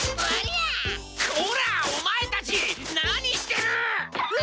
こらオマエたち何してる？へ？